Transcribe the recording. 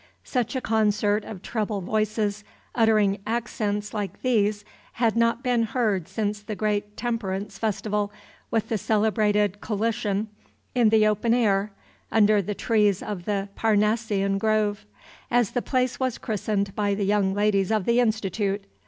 Such a concert of treble voices uttering accents like these had not been heard since the great Temperance Festival with the celebrated "colation" in the open air under the trees of the Parnassian Grove, as the place was christened by the young ladies of the Institute.